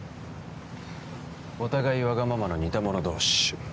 お互いワガママの似た者同士